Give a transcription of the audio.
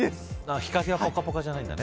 日陰はぽかぽかじゃないんだね。